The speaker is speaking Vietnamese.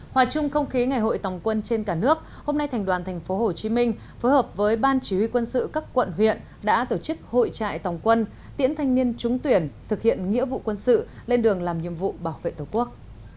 hòa chung không khí ngày hội tòng quân trên cả nước hôm nay thành đoàn tp hcm phối hợp với ban chỉ huy quân sự các quận huyện đã tổ chức hội trại tòng quân tiễn thanh niên trúng tuyển thực hiện nghĩa vụ quân sự lên đường làm nhiệm vụ bảo vệ tổ quốc